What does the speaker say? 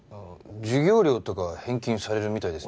授業料とかは返金されるみたいです。